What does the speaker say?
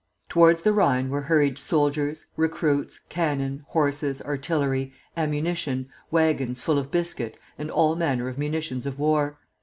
Towards the Rhine were hurried soldiers, recruits, cannon, horses, artillery, ammunition, wagons full of biscuit and all manner of munitions of war.